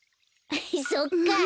そっかあ！